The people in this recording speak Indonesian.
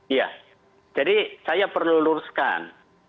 iya jadi saya perlu luruskan